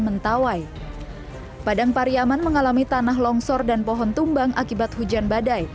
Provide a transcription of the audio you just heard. mentawai padang pariyaman mengalami tanah longsor dan pohon tumbang akibat hujan badai